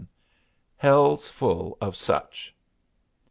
Hell's full of such.